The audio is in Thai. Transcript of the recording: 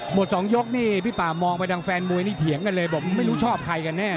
หมดสองยกนี่พี่ป่ามองไปทางแฟนมวยนี่เถียงกันเลยบอกไม่รู้ชอบใครกันแน่